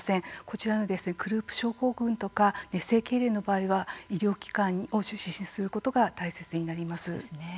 こちらのクループ症候群とか熱性けいれんの場合は医療機関を受診することが大切になります。